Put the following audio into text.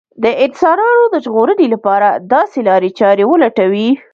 د انسانانو د ژغورنې لپاره داسې لارې چارې ولټوي